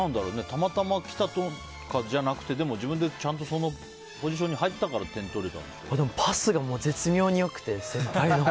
たまたま来たとかじゃなくてでも自分でちゃんとそのポジションに入ったからでもパスが絶妙に良くて先輩の。